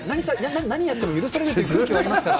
何やっても許されるという空気ありますから。